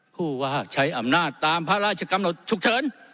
ผู้ว่าใช้อำนาจตามพระราชกำหนดฉุกเฉิน